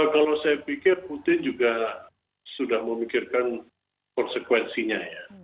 kalau saya pikir putin juga sudah memikirkan konsekuensinya ya